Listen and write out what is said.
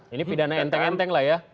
ini pidana enteng enteng lah ya